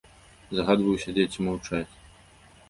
Загадваю сядзець і маўчаць.